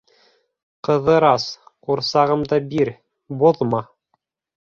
— Ҡыҙырас, ҡурсағымды бир, боҙма!